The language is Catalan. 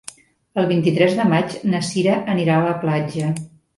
El vint-i-tres de maig na Cira anirà a la platja.